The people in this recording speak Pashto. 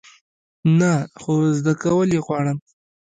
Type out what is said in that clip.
نه، خو زده کول یی غواړم